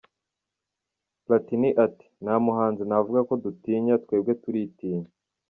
Platini ati, “Nta muhanzi navuga ko dutinya, twebwe turitinya.